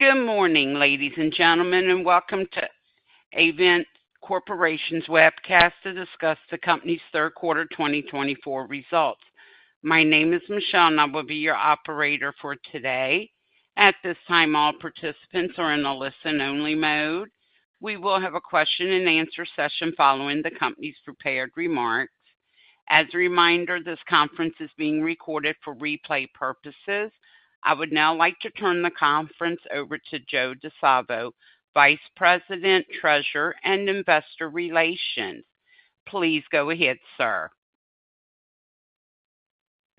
Good morning, ladies and gentlemen, and welcome to Avient Corporation's webcast to discuss the company's third quarter 2024 results. My name is Michelle, and I will be your operator for today. At this time, all participants are in a listen-only mode. We will have a question-and-answer session following the company's prepared remarks. As a reminder, this conference is being recorded for replay purposes. I would now like to turn the conference over to Joe Di Salvo, Vice President, Treasurer, and Investor Relations. Please go ahead, sir.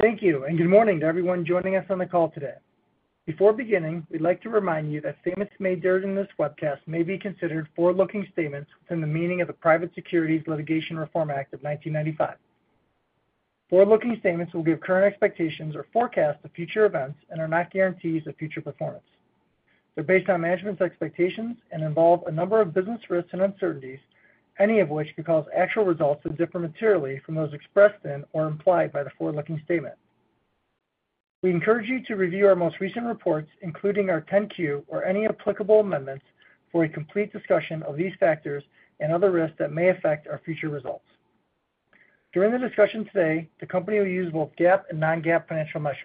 Thank you, and good morning to everyone joining us on the call today. Before beginning, we'd like to remind you that statements made during this webcast may be considered forward-looking statements within the meaning of the Private Securities Litigation Reform Act of 1995. Forward-looking statements will give current expectations or forecast the future events and are not guarantees of future performance. They're based on management's expectations and involve a number of business risks and uncertainties, any of which could cause actual results to differ materially from those expressed in or implied by the forward-looking statement. We encourage you to review our most recent reports, including our 10-Q or any applicable amendments, for a complete discussion of these factors and other risks that may affect our future results. During the discussion today, the company will use both GAAP and non-GAAP financial measures.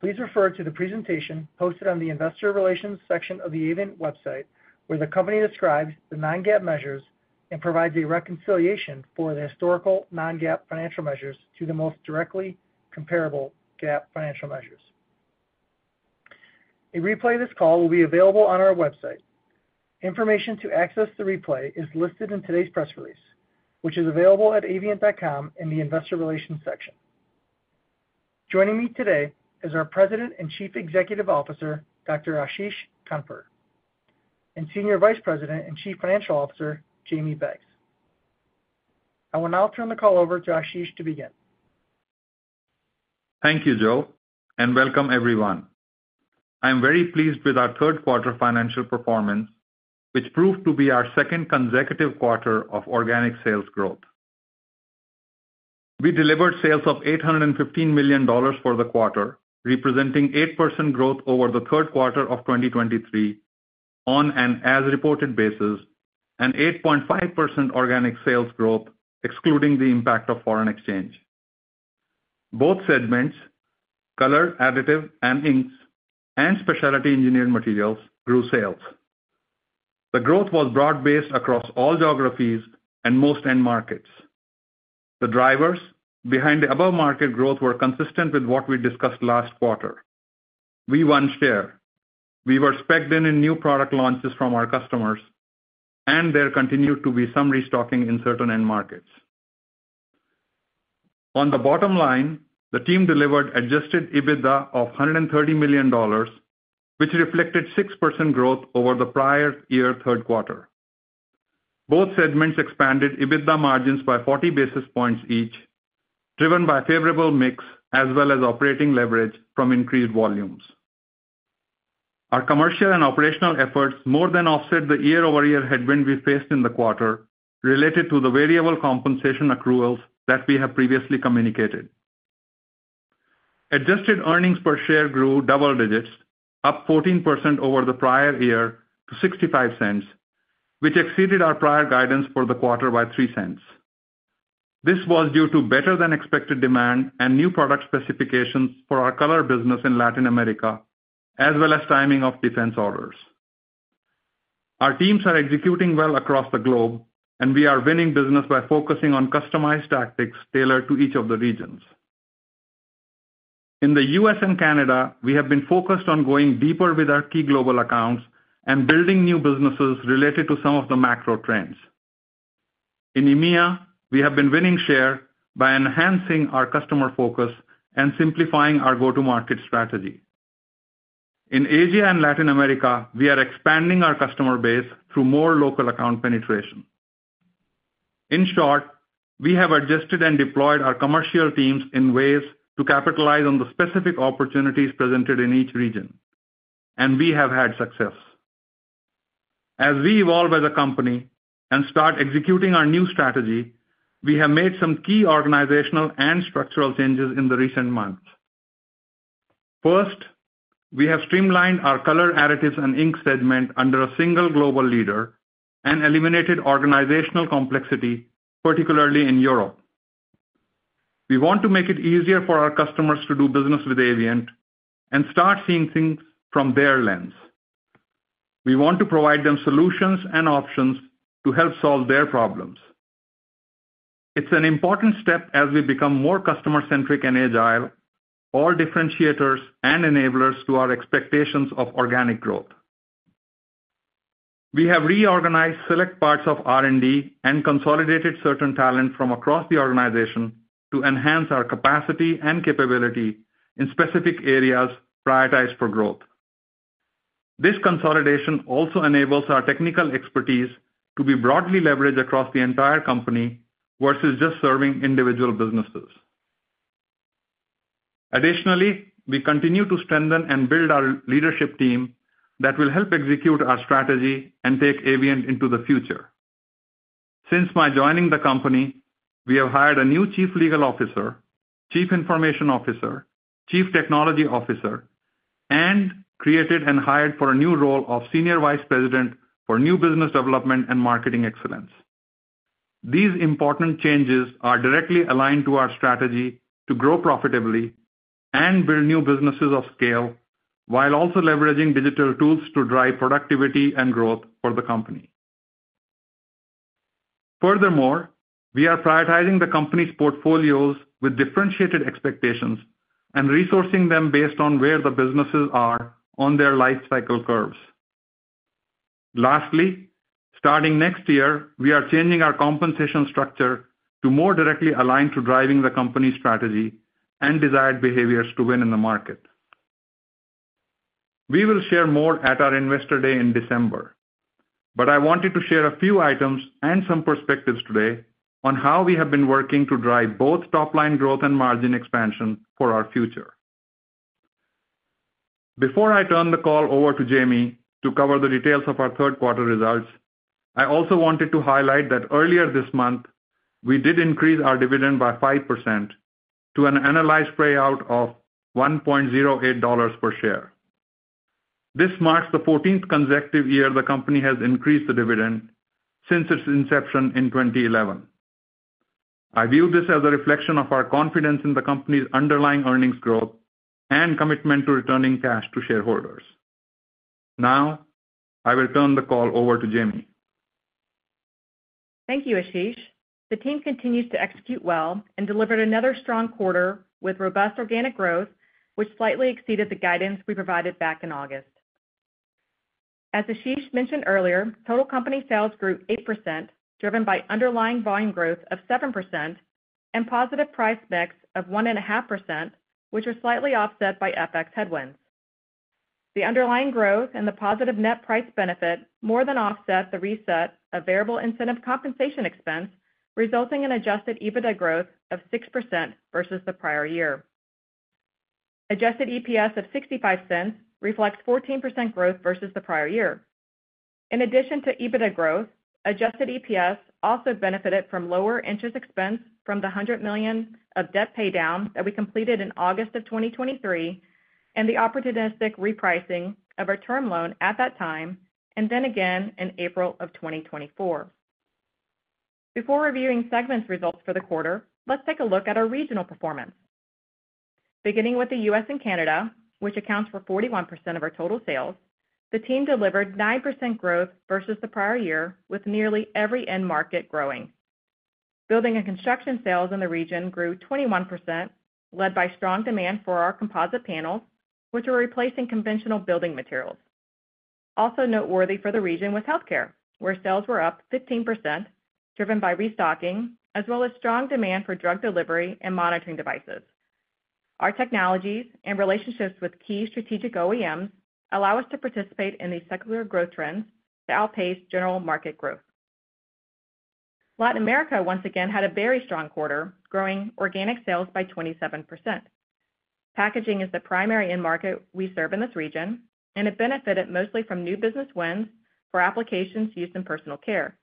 Please refer to the presentation posted on the Investor Relations section of the Avient website, where the company describes the non-GAAP measures and provides a reconciliation for the historical non-GAAP financial measures to the most directly comparable GAAP financial measures. A replay of this call will be available on our website. Information to access the replay is listed in today's press release, which is available at avient.com in the Investor Relations section. Joining me today is our President and Chief Executive Officer, Dr. Ashish Khandpur, and Senior Vice President and Chief Financial Officer, Jamie Beggs. I will now turn the call over to Ashish to begin. Thank you, Joe, and welcome, everyone. I'm very pleased with our third quarter financial performance, which proved to be our second consecutive quarter of organic sales growth. We delivered sales of $815 million for the quarter, representing 8% growth over the third quarter of 2023 on an as-reported basis and 8.5% organic sales growth, excluding the impact of foreign exchange. Both segments, Color, Additives and Inks, and Specialty Engineered Materials grew sales. The growth was broad-based across all geographies and most end markets. The drivers behind the above-market growth were consistent with what we discussed last quarter: we won share, we were spec'd in new product launches from our customers, and there continued to be some restocking in certain end markets. On the bottom line, the team delivered Adjusted EBITDA of $130 million, which reflected 6% growth over the prior year's third quarter. Both segments expanded EBITDA margins by 40 basis points each, driven by favorable mix as well as operating leverage from increased volumes. Our commercial and operational efforts more than offset the year-over-year headwind we faced in the quarter related to the variable compensation accruals that we have previously communicated. Adjusted earnings per share grew double digits, up 14% over the prior year to $0.65, which exceeded our prior guidance for the quarter by $0.03. This was due to better-than-expected demand and new product specifications for our color business in Latin America, as well as timing of defense orders. Our teams are executing well across the globe, and we are winning business by focusing on customized tactics tailored to each of the regions. In the U.S. and Canada, we have been focused on going deeper with our key global accounts and building new businesses related to some of the macro trends. In EMEA, we have been winning share by enhancing our customer focus and simplifying our go-to-market strategy. In Asia and Latin America, we are expanding our customer base through more local account penetration. In short, we have adjusted and deployed our commercial teams in ways to capitalize on the specific opportunities presented in each region, and we have had success. As we evolve as a company and start executing our new strategy, we have made some key organizational and structural changes in the recent months. First, we have streamlined our Color, Additives and Inks segment under a single global leader and eliminated organizational complexity, particularly in Europe. We want to make it easier for our customers to do business with Avient and start seeing things from their lens. We want to provide them solutions and options to help solve their problems. It's an important step as we become more customer-centric and agile, all differentiators and enablers to our expectations of organic growth. We have reorganized select parts of R&D and consolidated certain talent from across the organization to enhance our capacity and capability in specific areas prioritized for growth. This consolidation also enables our technical expertise to be broadly leveraged across the entire company versus just serving individual businesses. Additionally, we continue to strengthen and build our leadership team that will help execute our strategy and take Avient into the future. Since my joining the company, we have hired a new Chief Legal Officer, Chief Information Officer, Chief Technology Officer, and created and hired for a new role of Senior Vice President for New Business Development and Marketing Excellence. These important changes are directly aligned to our strategy to grow profitably and build new businesses of scale while also leveraging digital tools to drive productivity and growth for the company. Furthermore, we are prioritizing the company's portfolios with differentiated expectations and resourcing them based on where the businesses are on their life cycle curves. Lastly, starting next year, we are changing our compensation structure to more directly align to driving the company's strategy and desired behaviors to win in the market. We will share more at our Investor Day in December, but I wanted to share a few items and some perspectives today on how we have been working to drive both top-line growth and margin expansion for our future. Before I turn the call over to Jamie to cover the details of our third quarter results, I also wanted to highlight that earlier this month, we did increase our dividend by 5% to an annualized payout of $1.08 per share. This marks the 14th consecutive year the company has increased the dividend since its inception in 2011. I view this as a reflection of our confidence in the company's underlying earnings growth and commitment to returning cash to shareholders. Now, I will turn the call over to Jamie. Thank you, Ashish. The team continues to execute well and delivered another strong quarter with robust organic growth, which slightly exceeded the guidance we provided back in August. As Ashish mentioned earlier, total company sales grew 8%, driven by underlying volume growth of 7% and positive price mix of 1.5%, which was slightly offset by FX headwinds. The underlying growth and the positive net price benefit more than offset the reset of variable incentive compensation expense, resulting in adjusted EBITDA growth of 6% versus the prior year. Adjusted EPS of $0.65 reflects 14% growth versus the prior year. In addition to EBITDA growth, adjusted EPS also benefited from lower interest expense from the $100 million of debt paydown that we completed in August of 2023 and the opportunistic repricing of our term loan at that time and then again in April of 2024. Before reviewing segments' results for the quarter, let's take a look at our regional performance. Beginning with the U.S. and Canada, which accounts for 41% of our total sales, the team delivered 9% growth versus the prior year, with nearly every end market growing. Building and construction sales in the region grew 21%, led by strong demand for our composite panels, which are replacing conventional building materials. Also noteworthy for the region was healthcare, where sales were up 15%, driven by restocking, as well as strong demand for drug delivery and monitoring devices. Our technologies and relationships with key strategic OEMs allow us to participate in these secular growth trends to outpace general market growth. Latin America once again had a very strong quarter, growing organic sales by 27%. Packaging is the primary end market we serve in this region, and it benefited mostly from new business wins for applications used in personal care.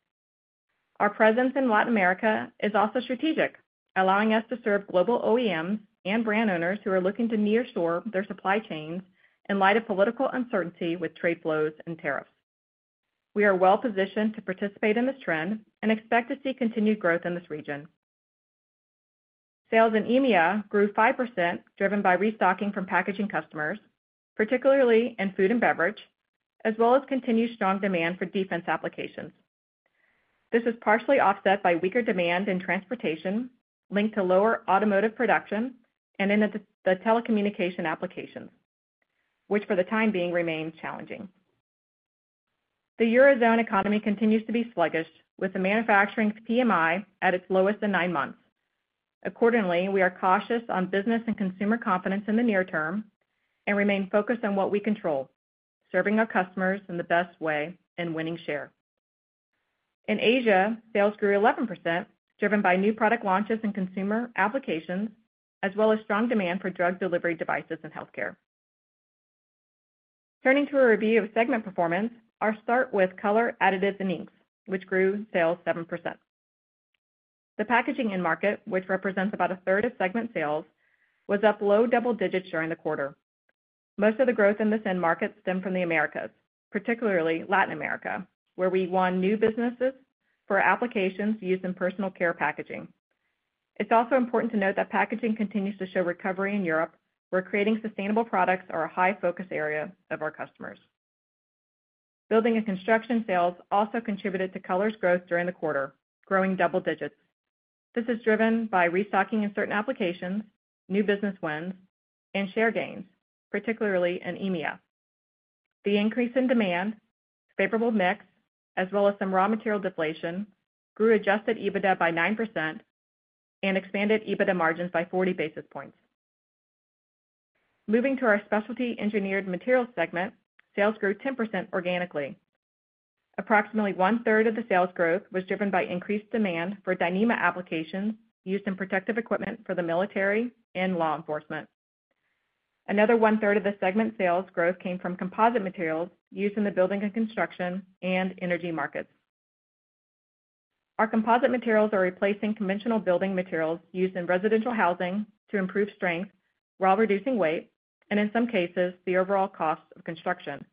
Our presence in Latin America is also strategic, allowing us to serve global OEMs and brand owners who are looking to nearshore their supply chains in light of political uncertainty with trade flows and tariffs. We are well-positioned to participate in this trend and expect to see continued growth in this region. Sales in EMEA grew 5%, driven by restocking from packaging customers, particularly in food and beverage, as well as continued strong demand for defense applications. This was partially offset by weaker demand in transportation linked to lower automotive production and in the telecommunication applications, which for the time being remained challenging. The Eurozone economy continues to be sluggish, with the manufacturing PMI at its lowest in nine months. Accordingly, we are cautious on business and consumer confidence in the near term and remain focused on what we control, serving our customers in the best way and winning share. In Asia, sales grew 11%, driven by new product launches and consumer applications, as well as strong demand for drug delivery devices and healthcare. Turning to a review of segment performance, we start with Color, Additives and Inks, which grew sales 7%. The packaging end market, which represents about a third of segment sales, was up low double digits during the quarter. Most of the growth in this end market stemmed from the Americas, particularly Latin America, where we won new businesses for applications used in personal care packaging. It's also important to note that packaging continues to show recovery in Europe, where creating sustainable products is a high focus area of our customers. Building and construction sales also contributed to Color's growth during the quarter, growing double digits. This is driven by restocking in certain applications, new business wins, and share gains, particularly in EMEA. The increase in demand, favorable mix, as well as some raw material deflation grew Adjusted EBITDA by 9% and expanded EBITDA margins by 40 basis points. Moving to our Specialty Engineered Materials segment, sales grew 10% organically. Approximately one-third of the sales growth was driven by increased demand for Dyneema applications used in protective equipment for the military and law enforcement. Another one-third of the segment sales growth came from composite materials used in the building and construction and energy markets. Our composite materials are replacing conventional building materials used in residential housing to improve strength while reducing weight and, in some cases, the overall cost of construction.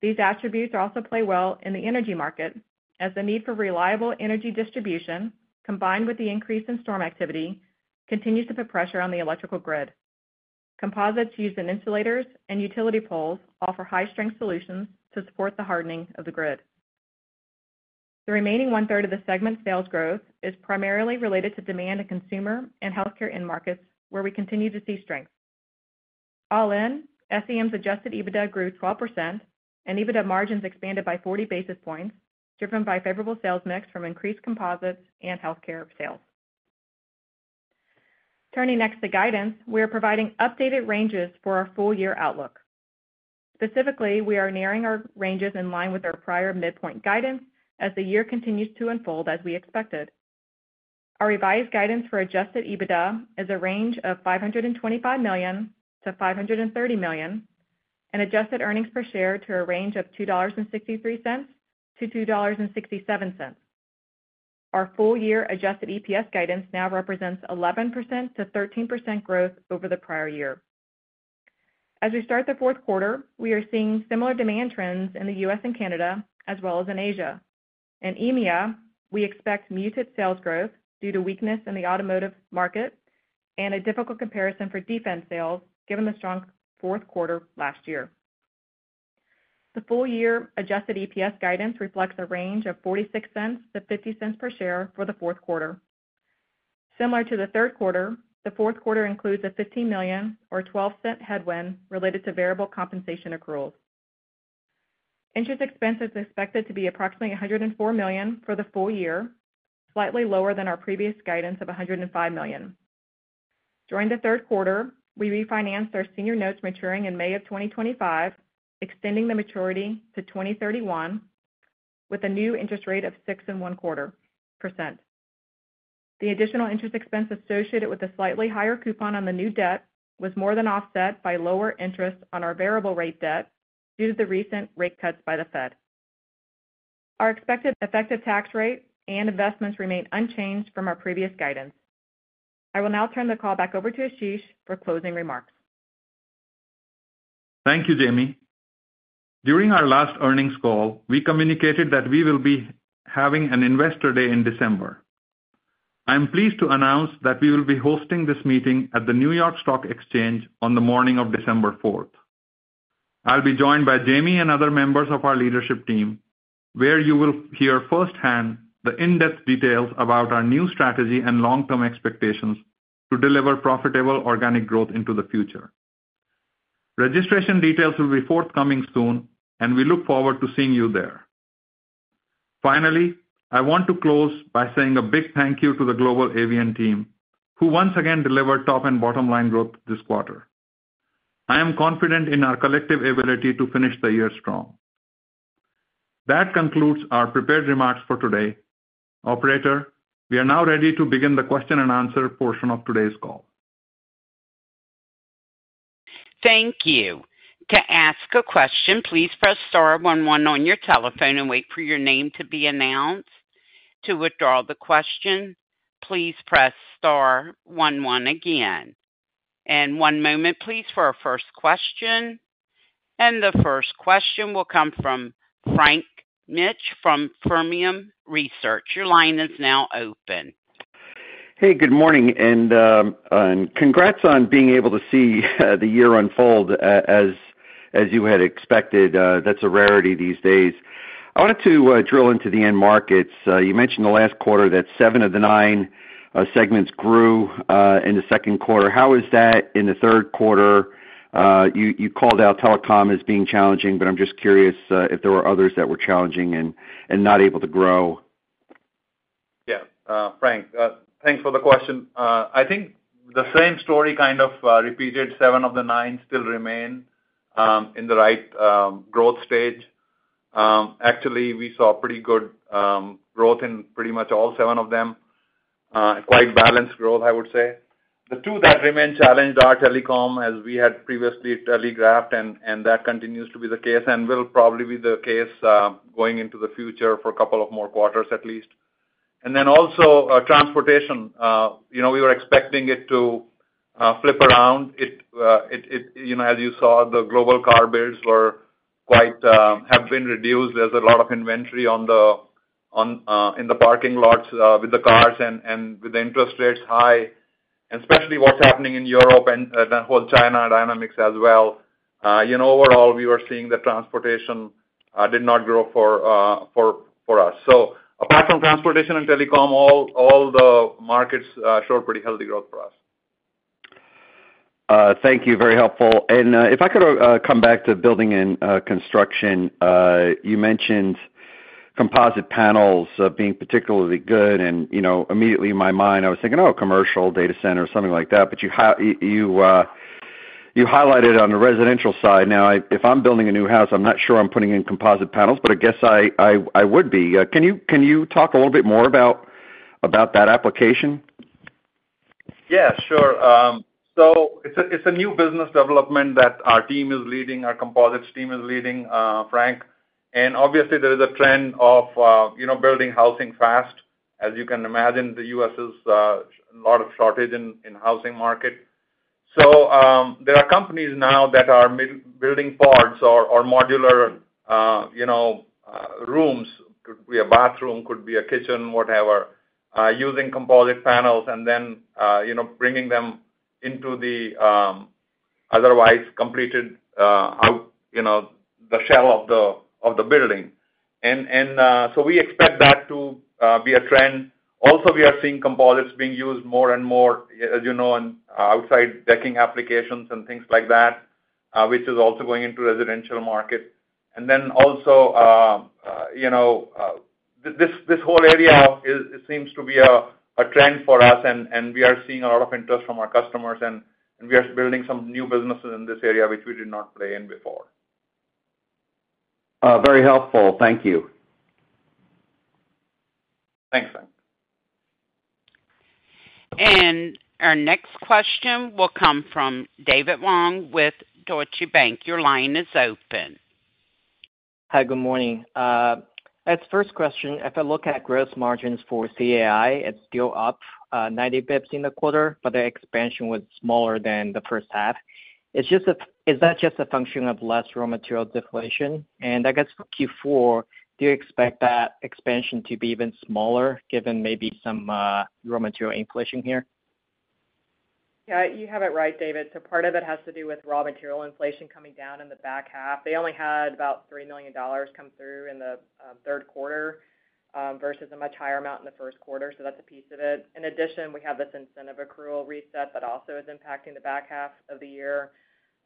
These attributes also play well in the energy market, as the need for reliable energy distribution, combined with the increase in storm activity, continues to put pressure on the electrical grid. Composites used in insulators and utility poles offer high-strength solutions to support the hardening of the grid. The remaining one-third of the segment sales growth is primarily related to demand and consumer and healthcare end markets, where we continue to see strength. All in, SEM's adjusted EBITDA grew 12%, and EBITDA margins expanded by 40 basis points, driven by favorable sales mix from increased composites and healthcare sales. Turning next to guidance, we are providing updated ranges for our full-year outlook. Specifically, we are narrowing our ranges in line with our prior midpoint guidance as the year continues to unfold as we expected. Our revised guidance for adjusted EBITDA is a range of $525-$530 million and adjusted earnings per share to a range of $2.63-$2.67. Our full-year adjusted EPS guidance now represents 11%-13% growth over the prior year. As we start the fourth quarter, we are seeing similar demand trends in the U.S. and Canada, as well as in Asia. In EMEA, we expect muted sales growth due to weakness in the automotive market and a difficult comparison for defense sales, given the strong fourth quarter last year. The full-year adjusted EPS guidance reflects a range of $0.46-$0.50 per share for the fourth quarter. Similar to the third quarter, the fourth quarter includes a $15 million or $0.12 headwind related to variable compensation accruals. Interest expense is expected to be approximately $104 million for the full year, slightly lower than our previous guidance of $105 million. During the third quarter, we refinanced our senior notes maturing in May of 2025, extending the maturity to 2031 with a new interest rate of 6.25%. The additional interest expense associated with the slightly higher coupon on the new debt was more than offset by lower interest on our variable-rate debt due to the recent rate cuts by the Fed. Our expected effective tax rate and investments remain unchanged from our previous guidance. I will now turn the call back over to Ashish for closing remarks. Thank you, Jamie. During our last earnings call, we communicated that we will be having an Investor Day in December. I am pleased to announce that we will be hosting this meeting at the New York Stock Exchange on the morning of December 4th. I'll be joined by Jamie and other members of our leadership team, where you will hear firsthand the in-depth details about our new strategy and long-term expectations to deliver profitable organic growth into the future. Registration details will be forthcoming soon, and we look forward to seeing you there. Finally, I want to close by saying a big thank you to the global Avient team, who once again delivered top and bottom-line growth this quarter. I am confident in our collective ability to finish the year strong. That concludes our prepared remarks for today. Operator, we are now ready to begin the question and answer portion of today's call. Thank you. To ask a question, please press star 11 on your telephone and wait for your name to be announced. To withdraw the question, please press star 11 again. And one moment, please, for our first question. And the first question will come from Frank Mitsch from Fermium Research. Your line is now open. Hey, good morning, and congrats on being able to see the year unfold as you had expected. That's a rarity these days. I wanted to drill into the end markets. You mentioned the last quarter that seven of the nine segments grew in the second quarter. How is that in the third quarter? You called out telecom as being challenging, but I'm just curious if there were others that were challenging and not able to grow. Yeah. Frank, thanks for the question. I think the same story kind of repeated. Seven of the nine still remain in the right growth stage. Actually, we saw pretty good growth in pretty much all seven of them. Quite balanced growth, I would say. The two that remain challenged are telecom, as we had previously telegraphed, and that continues to be the case and will probably be the case going into the future for a couple of more quarters at least. And then also transportation. We were expecting it to flip around. As you saw, the global car builds have been reduced. There's a lot of inventory in the parking lots with the cars and with the interest rates high, and especially what's happening in Europe and the whole China dynamics as well. Overall, we were seeing that transportation did not grow for us. So apart from transportation and telecom, all the markets showed pretty healthy growth for us. Thank you. Very helpful. And if I could come back to building and construction, you mentioned composite panels being particularly good. And immediately in my mind, I was thinking, "Oh, commercial data center, something like that." But you highlighted on the residential side. Now, if I'm building a new house, I'm not sure I'm putting in composite panels, but I guess I would be. Can you talk a little bit more about that application? Yeah, sure. So it's a new business development that our team is leading, our composites team is leading, Frank. And obviously, there is a trend of building housing fast. As you can imagine, the U.S. has a lot of shortage in the housing market. So there are companies now that are building pods or modular rooms. It could be a bathroom, could be a kitchen, whatever, using composite panels and then bringing them into the otherwise completed shell of the building. And so we expect that to be a trend. Also, we are seeing composites being used more and more, as you know, in outside decking applications and things like that, which is also going into the residential market. Then also, this whole area seems to be a trend for us, and we are seeing a lot of interest from our customers, and we are building some new businesses in this area, which we did not play in before. Very helpful. Thank you. Thanks, Frank. Our next question will come from David Wong with Deutsche Bank. Your line is open. Hi, good morning. My first question, if I look at gross margins for CAI, it's still up 90 basis points in the quarter, but the expansion was smaller than the first half. Is that just a function of less raw material deflation? And I guess for Q4, do you expect that expansion to be even smaller given maybe some raw material inflation here? Yeah, you have it right, David. So part of it has to do with raw material inflation coming down in the back half. They only had about $3 million come through in the third quarter versus a much higher amount in the first quarter. So that's a piece of it. In addition, we have this incentive accrual reset that also is impacting the back half of the year.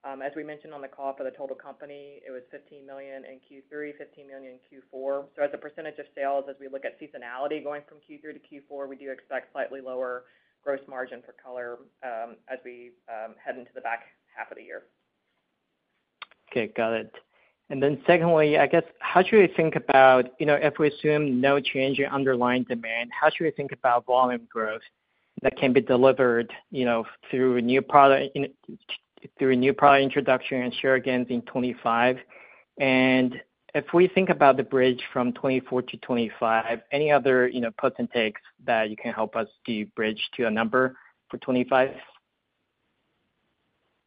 As we mentioned on the call for the total company, it was $15 million in Q3, $15 million in Q4. So as a percentage of sales, as we look at seasonality going from Q3 to Q4, we do expect slightly lower gross margin for color as we head into the back half of the year. Okay, got it. And then secondly, I guess, how should we think about if we assume no change in underlying demand, how should we think about volume growth that can be delivered through new product introduction and share gains in 2025? And if we think about the bridge from 2024 to 2025, any other puts and takes that you can help us debridge to a number for 2025?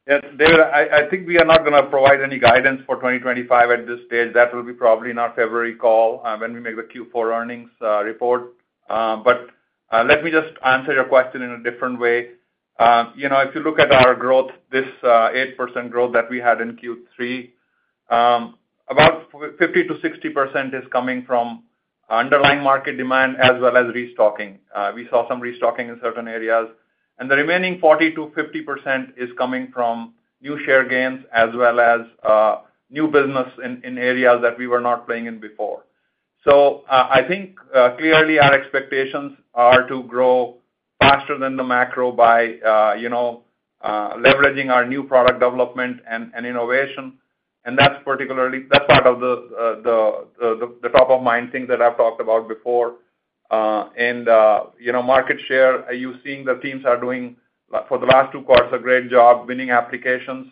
David, I think we are not going to provide any guidance for 2025 at this stage. That will be probably in our February call when we make the Q4 earnings report. But let me just answer your question in a different way. If you look at our growth, this 8% growth that we had in Q3, about 50%-60% is coming from underlying market demand as well as restocking. We saw some restocking in certain areas. And the remaining 40%-50% is coming from new share gains as well as new business in areas that we were not playing in before. So I think clearly our expectations are to grow faster than the macro by leveraging our new product development and innovation. And that's part of the top-of-mind thing that I've talked about before. And market share, you're seeing the teams are doing for the last two quarters a great job winning applications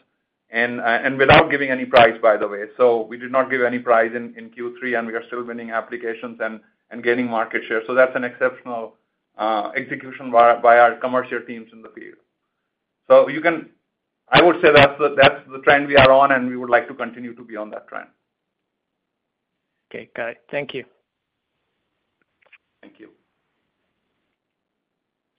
and without giving any price, by the way. So we did not give any price in Q3, and we are still winning applications and gaining market share. So that's an exceptional execution by our commercial teams in the field. So I would say that's the trend we are on, and we would like to continue to be on that trend. Okay, got it. Thank you. Thank you.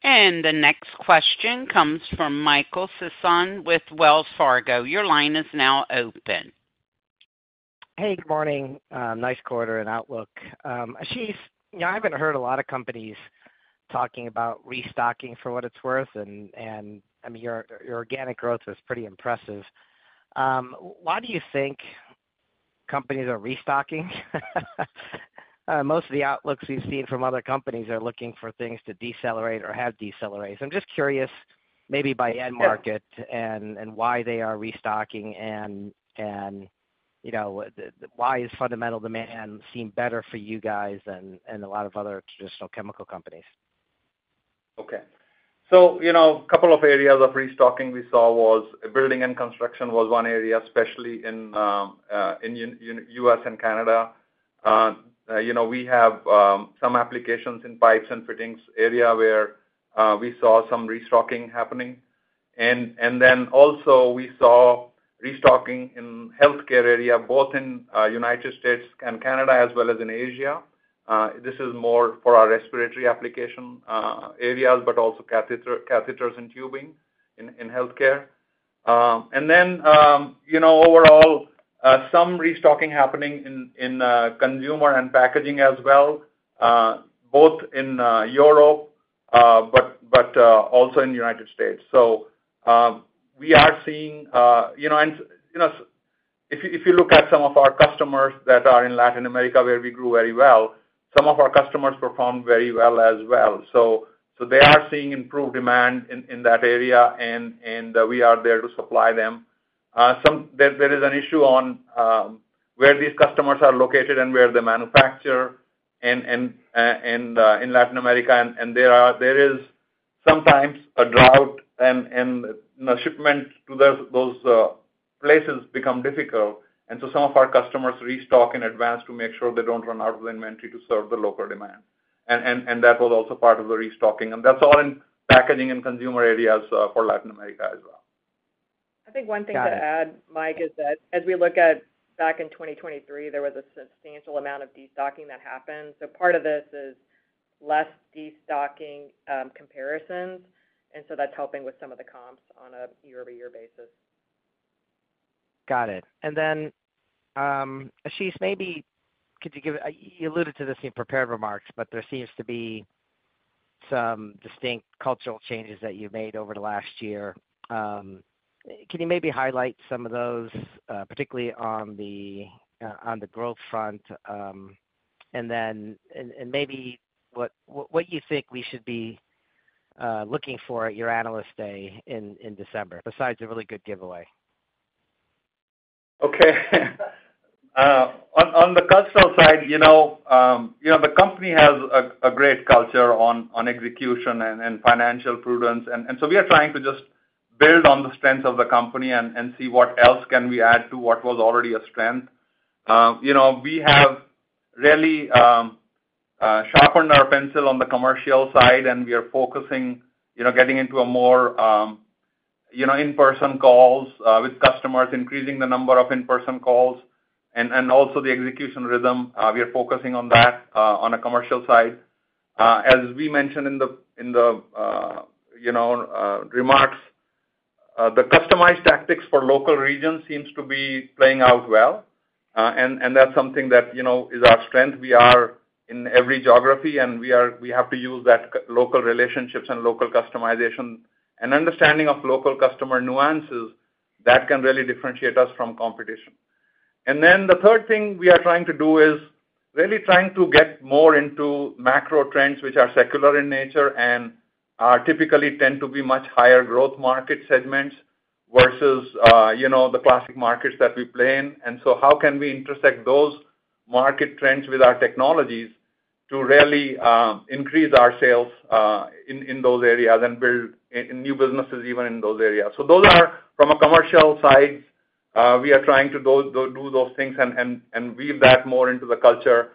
The next question comes from Michael Sison with Wells Fargo. Your line is now open. Hey, good morning. Nice quarter and outlook. Ashish, I haven't heard a lot of companies talking about restocking for what it's worth. And I mean, your organic growth was pretty impressive. Why do you think companies are restocking? Most of the outlooks we've seen from other companies are looking for things to decelerate or have decelerate. So I'm just curious maybe by end market and why they are restocking and why is fundamental demand seem better for you guys than a lot of other traditional chemical companies? Okay. So a couple of areas of restocking we saw was building and construction was one area, especially in the U.S. and Canada. We have some applications in pipes and fittings area where we saw some restocking happening. And then also we saw restocking in the healthcare area, both in the United States and Canada as well as in Asia. This is more for our respiratory application areas, but also catheters and tubing in healthcare. And then overall, some restocking happening in consumer and packaging as well, both in Europe but also in the United States. So we are seeing if you look at some of our customers that are in Latin America, where we grew very well, some of our customers performed very well as well. So they are seeing improved demand in that area, and we are there to supply them. There is an issue on where these customers are located and where they manufacture in Latin America, and there is sometimes a drought, and shipment to those places becomes difficult, and so some of our customers restock in advance to make sure they don't run out of the inventory to serve the local demand, and that was also part of the restocking, and that's all in packaging and consumer areas for Latin America as well. I think one thing to add, Mike, is that as we look at back in 2023, there was a substantial amount of destocking that happened. So part of this is less destocking comparisons, and so that's helping with some of the comps on a year-over-year basis. Got it. And then, Ashish, maybe could you give us more on how you alluded to this in your prepared remarks, but there seems to be some distinct cultural changes that you've made over the last year. Can you maybe highlight some of those, particularly on the growth front? And then maybe what you think we should be looking for at your analyst day in December, besides a really good giveaway? Okay. On the cultural side, the company has a great culture on execution and financial prudence, and so we are trying to just build on the strengths of the company and see what else can we add to what was already a strength. We have really sharpened our pencil on the commercial side, and we are focusing on getting into more in-person calls with customers, increasing the number of in-person calls and also the execution rhythm. We are focusing on that on the commercial side. As we mentioned in the remarks, the customized tactics for local regions seem to be playing out well, and that's something that is our strength. We are in every geography, and we have to use those local relationships and local customization and understanding of local customer nuances that can really differentiate us from competition. And then the third thing we are trying to do is really trying to get more into macro trends, which are secular in nature and typically tend to be much higher growth market segments versus the classic markets that we play in. And so how can we intersect those market trends with our technologies to really increase our sales in those areas and build new businesses even in those areas? So those are from a commercial side. We are trying to do those things and weave that more into the culture.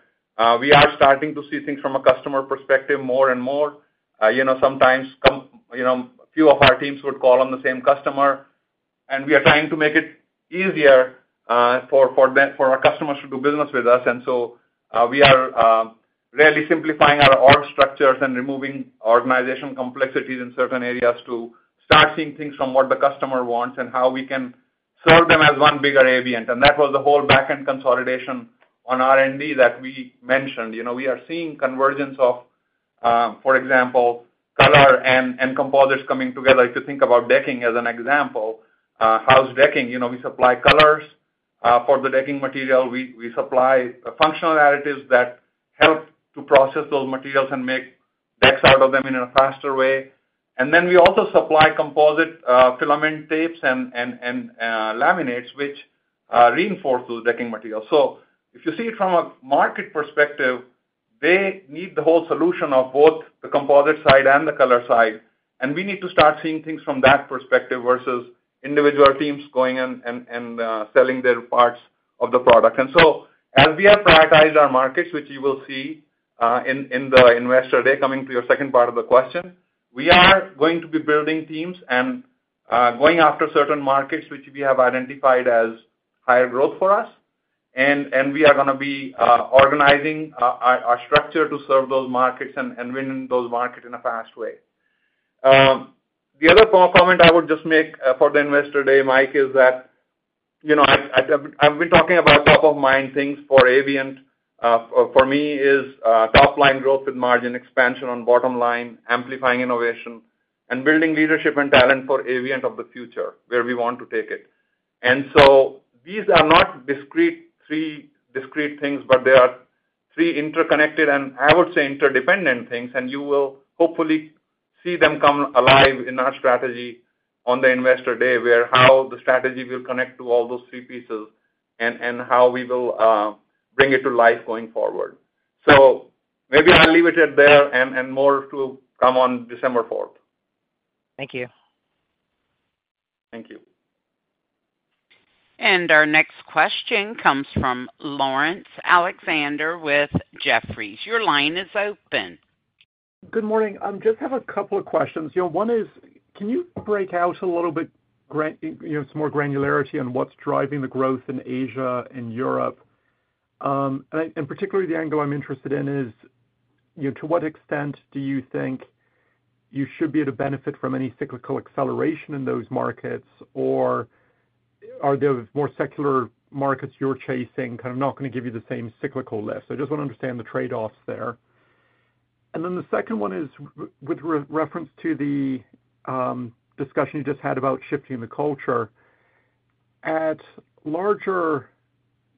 We are starting to see things from a customer perspective more and more. Sometimes a few of our teams would call on the same customer, and we are trying to make it easier for our customers to do business with us. And so we are really simplifying our org structures and removing organizational complexities in certain areas to start seeing things from what the customer wants and how we can serve them as one bigger Avient. And that was the whole back-end consolidation on R&D that we mentioned. We are seeing convergence of, for example, color and composites coming together. If you think about decking as an example, house decking, we supply colors for the decking material. We supply functional additives that help to process those materials and make decks out of them in a faster way. And then we also supply composite filament tapes and laminates, which reinforce those decking materials. So if you see it from a market perspective, they need the whole solution of both the composite side and the color side. We need to start seeing things from that perspective versus individual teams going and selling their parts of the product. And so as we have prioritized our markets, which you will see in the Investor Day coming to your second part of the question, we are going to be building teams and going after certain markets, which we have identified as higher growth for us. And we are going to be organizing our structure to serve those markets and win those markets in a fast way. The other comment I would just make for the Investor Day, Mike, is that I've been talking about top-of-mind things for Avient. For me, it is top-line growth with margin expansion on bottom line, amplifying innovation, and building leadership and talent for Avient of the future where we want to take it. And so these are not discrete things, but they are three interconnected and I would say interdependent things. And you will hopefully see them come alive in our strategy on the investor day where how the strategy will connect to all those three pieces and how we will bring it to life going forward. So maybe I'll leave it at that and more to come on December 4th. Thank you. Thank you. Our next question comes from Laurence Alexander with Jefferies. Your line is open. Good morning. I just have a couple of questions. One is, can you break out a little bit some more granularity on what's driving the growth in Asia and Europe? And particularly, the angle I'm interested in is to what extent do you think you should be able to benefit from any cyclical acceleration in those markets? Or are there more secular markets you're chasing kind of not going to give you the same cyclical lift? So I just want to understand the trade-offs there. And then the second one is with reference to the discussion you just had about shifting the culture.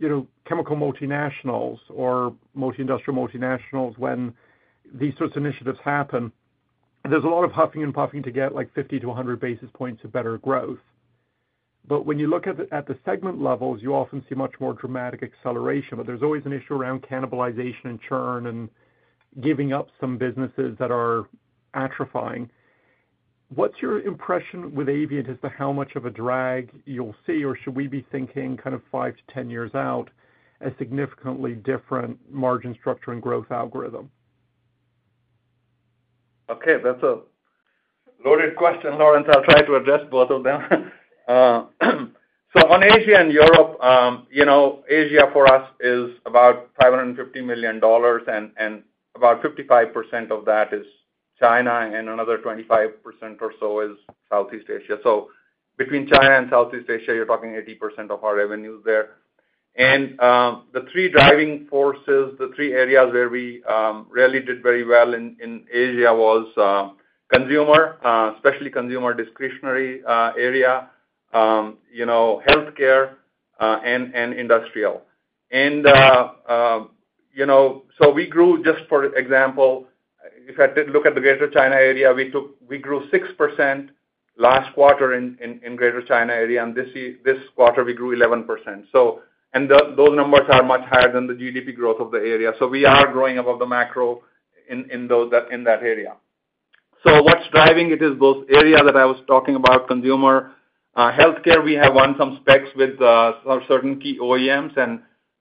At larger chemical multinationals or multi-industrial multinationals, when these sorts of initiatives happen, there's a lot of huffing and puffing to get like 50-100 basis points of better growth. But when you look at the segment levels, you often see much more dramatic acceleration. But there's always an issue around cannibalization and churn and giving up some businesses that are atrophying. What's your impression with Avient as to how much of a drag you'll see? Or should we be thinking kind of five to 10 years out as significantly different margin structure and growth algorithm? Okay. That's a loaded question, Laurence. I'll try to address both of them, so on Asia and Europe, Asia for us is about $550 million, and about 55% of that is China, and another 25% or so is Southeast Asia. So between China and Southeast Asia, you're talking 80% of our revenues there, and the three driving forces, the three areas where we really did very well in Asia was consumer, especially consumer discretionary area, healthcare, and industrial. And so we grew, just for example, if I look at the Greater China area, we grew 6% last quarter in Greater China area, and this quarter, we grew 11%, and those numbers are much higher than the GDP growth of the area, so we are growing above the macro in that area, so what's driving it is those areas that I was talking about, consumer, healthcare. We have won some specs with certain key OEMs.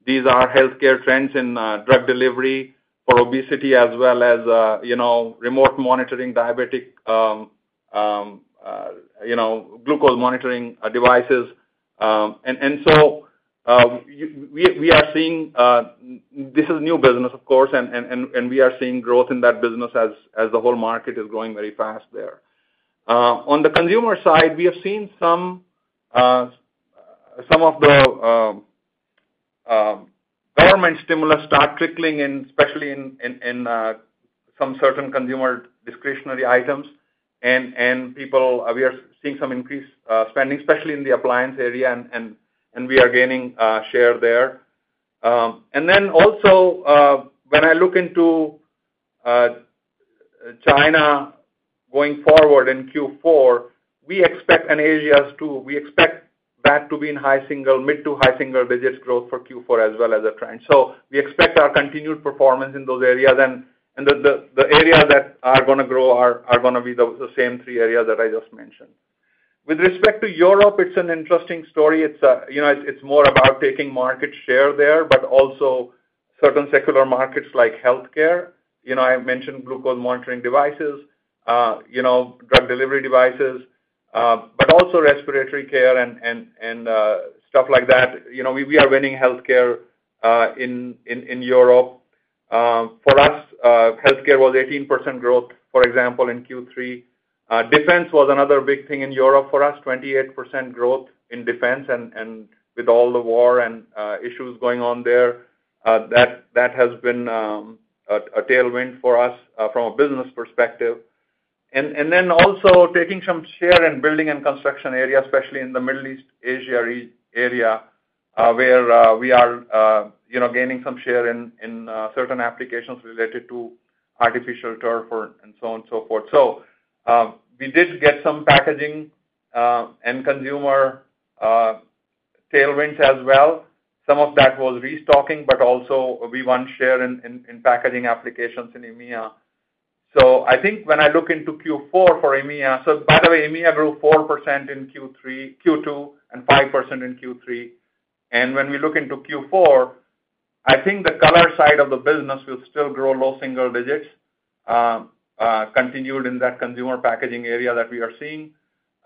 These are healthcare trends in drug delivery for obesity as well as remote monitoring, diabetic glucose monitoring devices. We are seeing this is new business, of course, and we are seeing growth in that business as the whole market is growing very fast there. On the consumer side, we have seen some of the government stimulus start trickling in, especially in some certain consumer discretionary items. We are seeing some increased spending, especially in the appliance area, and we are gaining share there. When I look into China going forward in Q4, we expect in Asia that to be in high single, mid- to high-single digits growth for Q4 as well as a trend. We expect our continued performance in those areas. And the areas that are going to grow are going to be the same three areas that I just mentioned. With respect to Europe, it's an interesting story. It's more about taking market share there, but also certain secular markets like healthcare. I mentioned glucose monitoring devices, drug delivery devices, but also respiratory care and stuff like that. We are winning healthcare in Europe. For us, healthcare was 18% growth, for example, in Q3. Defense was another big thing in Europe for us, 28% growth in defense. And with all the war and issues going on there, that has been a tailwind for us from a business perspective. And then also taking some share in building and construction area, especially in the Middle East, Asia area, where we are gaining some share in certain applications related to artificial turf and so on and so forth. So we did get some packaging and consumer tailwinds as well. Some of that was restocking, but also we won share in packaging applications in EMEA. So I think when I look into Q4 for EMEA so by the way, EMEA grew 4% in Q2 and 5% in Q3. And when we look into Q4, I think the color side of the business will still grow low single digits, continued in that consumer packaging area that we are seeing.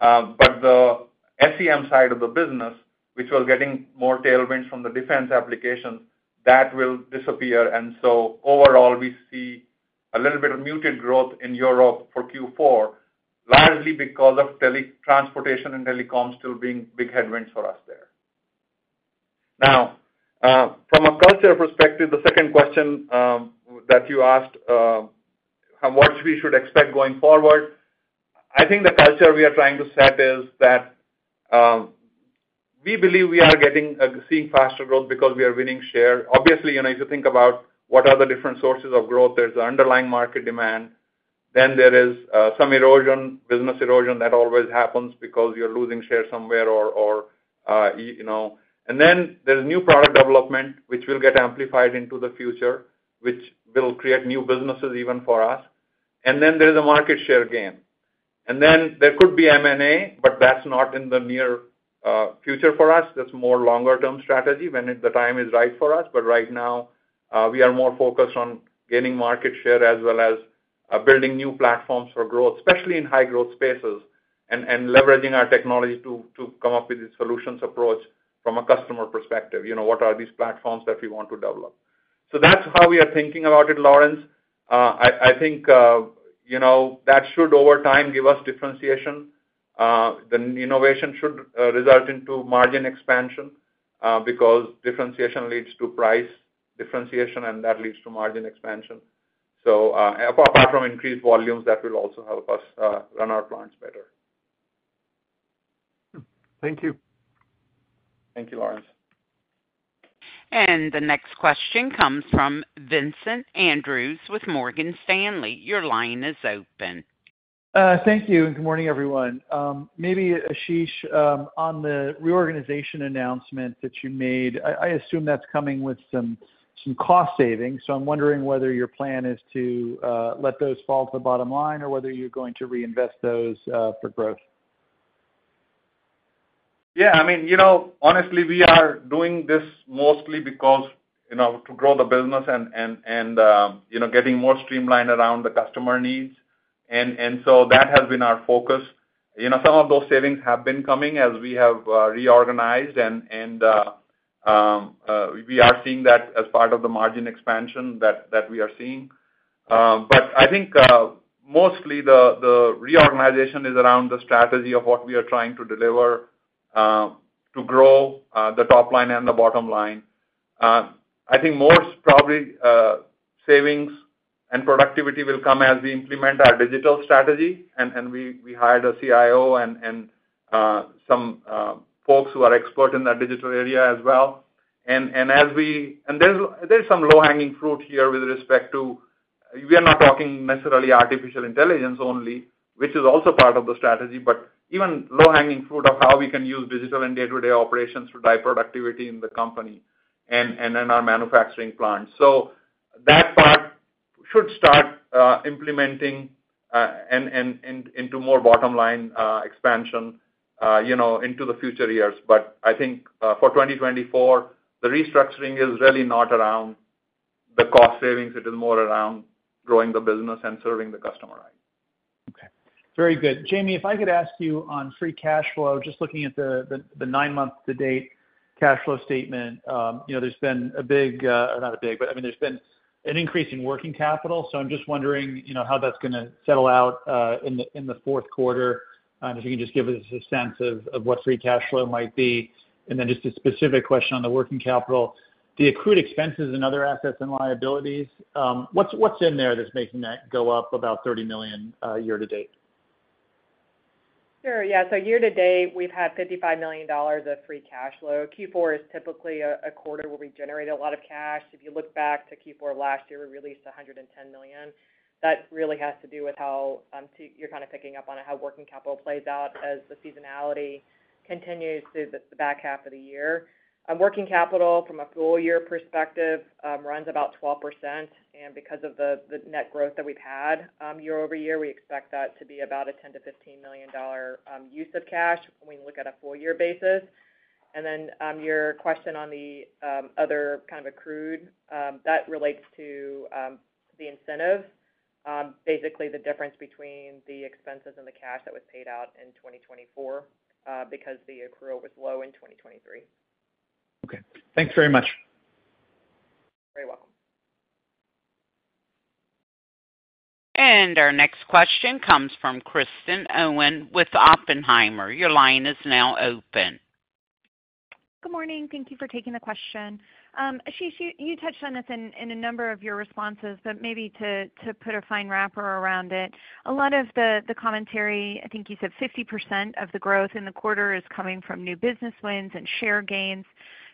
But the SEM side of the business, which was getting more tailwinds from the defense applications, that will disappear. And so overall, we see a little bit of muted growth in Europe for Q4, largely because of transportation and telecoms still being big headwinds for us there. Now, from a culture perspective, the second question that you asked, what we should expect going forward, I think the culture we are trying to set is that we believe we are seeing faster growth because we are winning share. Obviously, if you think about what are the different sources of growth, there's an underlying market demand. Then there is some erosion, business erosion that always happens because you're losing share somewhere. And then there's new product development, which will get amplified into the future, which will create new businesses even for us. And then there is a market share gain. And then there could be M&A, but that's not in the near future for us. That's more longer-term strategy when the time is right for us. But right now, we are more focused on gaining market share as well as building new platforms for growth, especially in high-growth spaces and leveraging our technology to come up with a solutions approach from a customer perspective. What are these platforms that we want to develop? So that's how we are thinking about it, Laurence. I think that should, over time, give us differentiation. The innovation should result into margin expansion because differentiation leads to price differentiation, and that leads to margin expansion. So apart from increased volumes, that will also help us run our plants better. Thank you. Thank you, Lawrence. The next question comes from Vincent Andrews with Morgan Stanley. Your line is open. Thank you. And good morning, everyone. Maybe, Ashish, on the reorganization announcement that you made, I assume that's coming with some cost savings. So I'm wondering whether your plan is to let those fall to the bottom line or whether you're going to reinvest those for growth. Yeah. I mean, honestly, we are doing this mostly to grow the business and getting more streamlined around the customer needs, and so that has been our focus. Some of those savings have been coming as we have reorganized, and we are seeing that as part of the margin expansion that we are seeing. But I think mostly the reorganization is around the strategy of what we are trying to deliver to grow the top line and the bottom line. I think most probably savings and productivity will come as we implement our digital strategy, and we hired a CIO and some folks who are experts in that digital area as well. And there's some low-hanging fruit here with respect to we are not talking necessarily artificial intelligence only, which is also part of the strategy, but even low-hanging fruit of how we can use digital and day-to-day operations to drive productivity in the company and in our manufacturing plant. So that part should start implementing into more bottom-line expansion into the future years. But I think for 2024, the restructuring is really not around the cost savings. It is more around growing the business and serving the customer right. Okay. Very good. Jamie, if I could ask you on free cash flow, just looking at the nine-month-to-date cash flow statement, there's been a big or not a big, but I mean, there's been an increase in working capital. So I'm just wondering how that's going to settle out in the fourth quarter. And if you can just give us a sense of what free cash flow might be. And then just a specific question on the working capital, the accrued expenses and other assets and liabilities, what's in there that's making that go up about $30 million year-to-date? Sure. Yeah. So year-to-date, we've had $55 million of free cash flow. Q4 is typically a quarter where we generate a lot of cash. If you look back to Q4 of last year, we released $110 million. That really has to do with how you're kind of picking up on how working capital plays out as the seasonality continues through the back half of the year. Working capital, from a full-year perspective, runs about 12%. And because of the net growth that we've had year-over-year, we expect that to be about a $10-$15 million use of cash when we look at a full-year basis. And then your question on the other kind of accrued, that relates to the incentive, basically the difference between the expenses and the cash that was paid out in 2024 because the accrual was low in 2023. Okay. Thanks very much. You're very welcome. Our next question comes from Kristen Owen with Oppenheimer. Your line is now open. Good morning. Thank you for taking the question. Ashish, you touched on this in a number of your responses, but maybe to put a fine wrapper around it, a lot of the commentary, I think you said 50% of the growth in the quarter is coming from new business wins and share gains.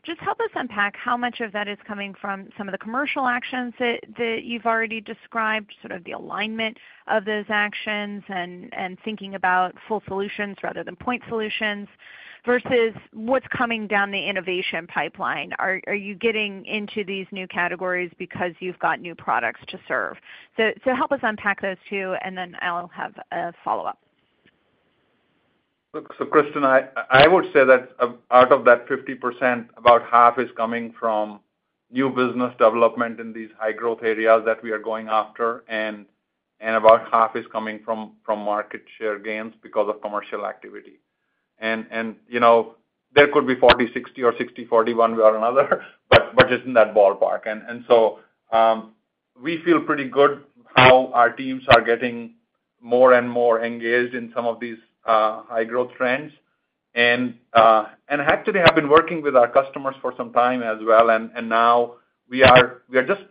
Just help us unpack how much of that is coming from some of the commercial actions that you've already described, sort of the alignment of those actions and thinking about full solutions rather than point solutions versus what's coming down the innovation pipeline. Are you getting into these new categories because you've got new products to serve? So help us unpack those two, and then I'll have a follow-up. So, Kristen, I would say that out of that 50%, about half is coming from new business development in these high-growth areas that we are going after. And about half is coming from market share gains because of commercial activity. And there could be 40-60 or 60-40, one way or another, but just in that ballpark. And so we feel pretty good how our teams are getting more and more engaged in some of these high-growth trends. And actually, I've been working with our customers for some time as well. And now we are just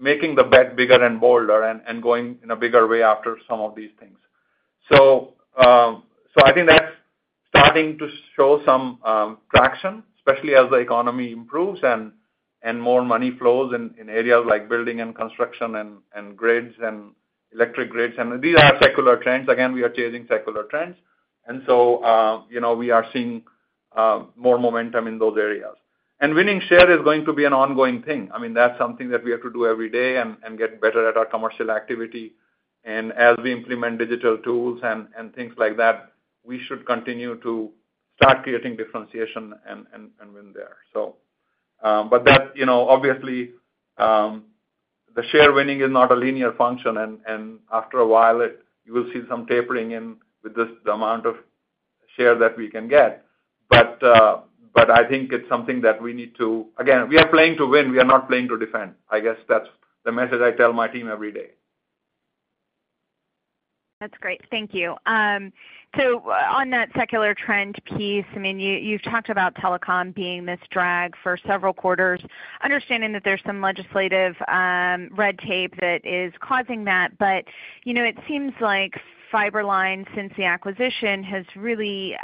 making the bet bigger and bolder and going in a bigger way after some of these things. So I think that's starting to show some traction, especially as the economy improves and more money flows in areas like building and construction and grids and electric grids. And these are secular trends. Again, we are changing secular trends, and so we are seeing more momentum in those areas, and winning share is going to be an ongoing thing. I mean, that's something that we have to do every day and get better at our commercial activity, and as we implement digital tools and things like that, we should continue to start creating differentiation and win there, but obviously, the share winning is not a linear function, and after a while, you will see some tapering in with the amount of share that we can get. But I think it's something that we need to again, we are playing to win. We are not playing to defend. I guess that's the message I tell my team every day. That's great. Thank you. So on that secular trend piece, I mean, you've talked about telecom being this drag for several quarters, understanding that there's some legislative red tape that is causing that. But it seems like Fiber-Line, since the acquisition, has really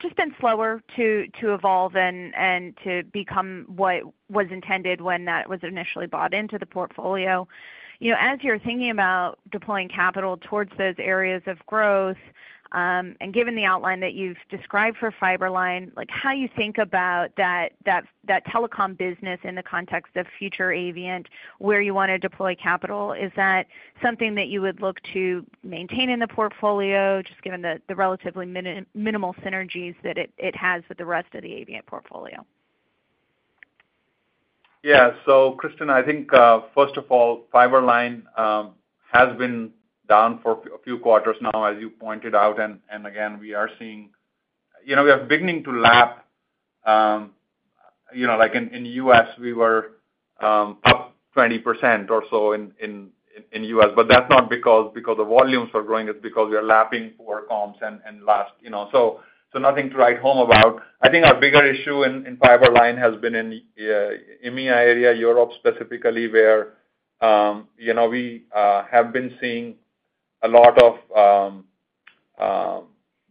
just been slower to evolve and to become what was intended when that was initially bought into the portfolio. As you're thinking about deploying capital towards those areas of growth, and given the outline that you've described for Fiber-Line, how you think about that telecom business in the context of future avient, where you want to deploy capital, is that something that you would look to maintain in the portfolio, just given the relatively minimal synergies that it has with the rest of the AVNT portfolio? Yeah. So Kristen, I think, first of all, Fiberline has been down for a few quarters now, as you pointed out. And again, we are seeing we are beginning to lap. In the U.S., we were up 20% or so in the U.S. But that's not because the volumes are growing. It's because we are lapping poor comps last. So nothing to write home about. I think our bigger issue in Fiber-Line has been in EMEA area, Europe specifically, where we have been seeing a lot of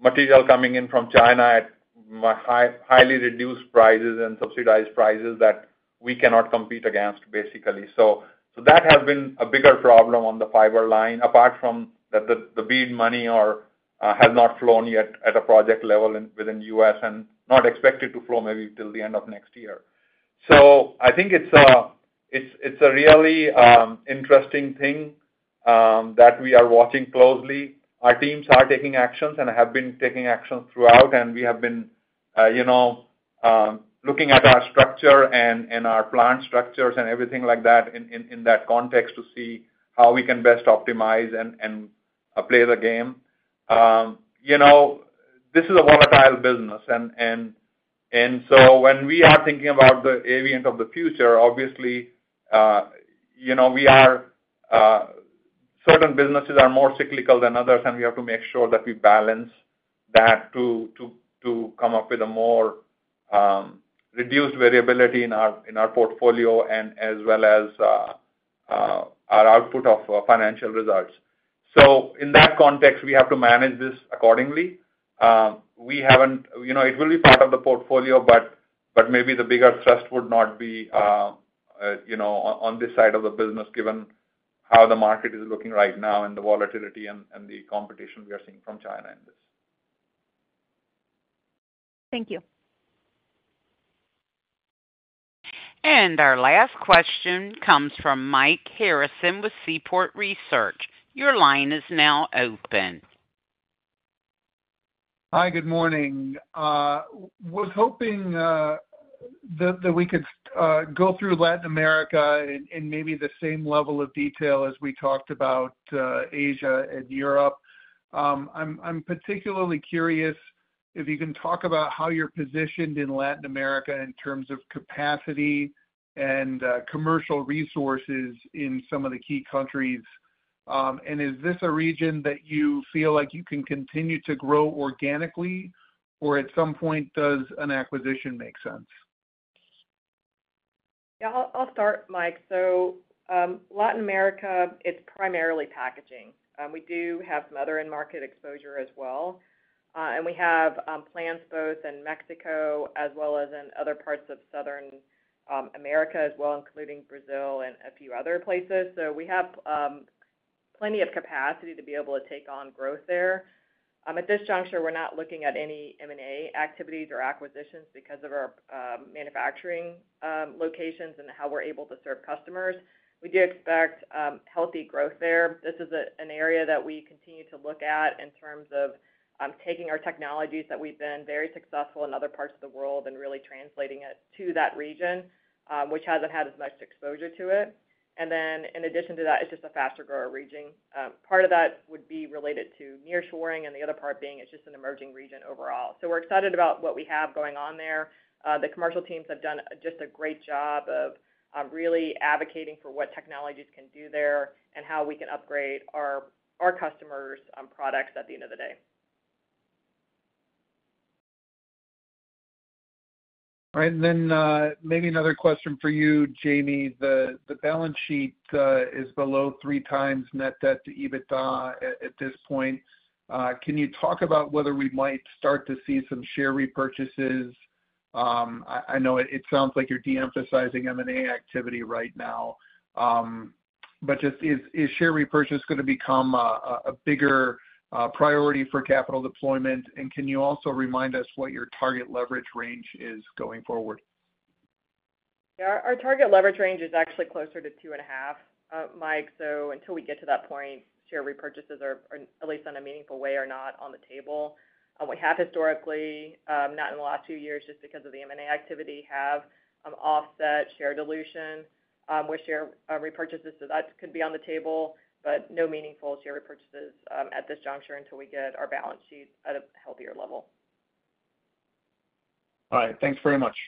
material coming in from China at highly reduced prices and subsidized prices that we cannot compete against, basically. So that has been a bigger problem on the Fiberline, apart from that the bid money has not flowed yet at a project level within the U.S. and not expected to flow maybe till the end of next year. So I think it's a really interesting thing that we are watching closely. Our teams are taking actions and have been taking actions throughout. And we have been looking at our structure and our plant structures and everything like that in that context to see how we can best optimize and play the game. This is a volatile business. And so when we are thinking about the AVNT of the future, obviously, certain businesses are more cyclical than others. And we have to make sure that we balance that to come up with a more reduced variability in our portfolio and as well as our output of financial results. So in that context, we have to manage this accordingly. We have it. It will be part of the portfolio, but maybe the bigger thrust would not be on this side of the business, given how the market is looking right now and the volatility and the competition we are seeing from China in this. Thank you. And our last question comes from Mike Harrison with Seaport Research Partners. Your line is now open. Hi, good morning. I was hoping that we could go through Latin America in maybe the same level of detail as we talked about Asia and Europe. I'm particularly curious if you can talk about how you're positioned in Latin America in terms of capacity and commercial resources in some of the key countries, and is this a region that you feel like you can continue to grow organically, or at some point, does an acquisition make sense? Yeah. I'll start, Mike. So Latin America, it's primarily packaging. We do have some other end-market exposure as well. And we have plants both in Mexico as well as in other parts of South America as well, including Brazil and a few other places. So we have plenty of capacity to be able to take on growth there. At this juncture, we're not looking at any M&A activities or acquisitions because of our manufacturing locations and how we're able to serve customers. We do expect healthy growth there. This is an area that we continue to look at in terms of taking our technologies that we've been very successful in other parts of the world and really translating it to that region, which hasn't had as much exposure to it. And then in addition to that, it's just a faster-grower region. Part of that would be related to nearshoring and the other part being it's just an emerging region overall. So we're excited about what we have going on there. The commercial teams have done just a great job of really advocating for what technologies can do there and how we can upgrade our customers' products at the end of the day. All right. And then maybe another question for you, Jamie. The balance sheet is below three times net debt to EBITDA at this point. Can you talk about whether we might start to see some share repurchases? I know it sounds like you're de-emphasizing M&A activity right now. But is share repurchase going to become a bigger priority for capital deployment? And can you also remind us what your target leverage range is going forward? Yeah. Our target leverage range is actually closer to two and a half, Mike. So until we get to that point, share repurchases, at least in a meaningful way, are not on the table. We have historically, not in the last few years just because of the M&A activity, have offset share dilution with share repurchases. So that could be on the table, but no meaningful share repurchases at this juncture until we get our balance sheet at a healthier level. All right. Thanks very much.